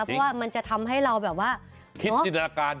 เพราะว่ามันจะทำให้เราแบบว่าคิดจินตนาการ